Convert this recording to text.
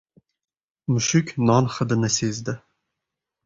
Mushuk non hidini sezdi.